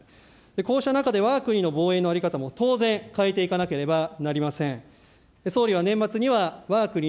こうした中でわが国の防衛の在り方も変えていかなければなりません。